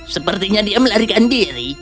sepertinya dia melarikan diri